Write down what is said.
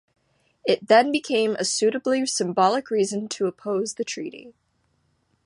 It then became a suitably symbolic reason to oppose the Treaty.